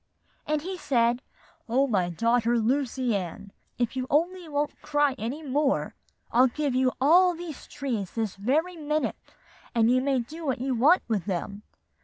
"And he said, 'O my daughter Lucy Ann, if you only won't cry any more, I'll give you all those trees this very minute; and you may do what you want to with them.